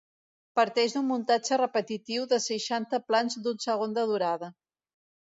Parteix d’un muntatge repetitiu de seixanta plans d’un segon de durada.